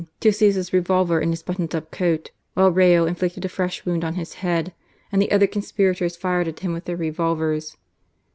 to seize his revolver in his buttoned up coat, while Rayo inflicted a fresh wound on his head, and the other conspirators fired at him with their revolvers.